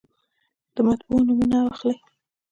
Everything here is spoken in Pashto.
د مطبعو نومونه یې واخلئ.